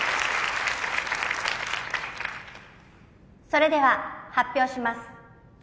それでは発表します